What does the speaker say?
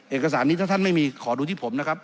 เอกสารนี้ถ้าท่านไม่มีขอดูที่ผมนะครับ